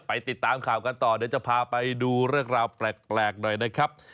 ติดตามข่าวกันต่อเดี๋ยวจะพาไปดูเรื่องราวแปลกหน่อยนะครับ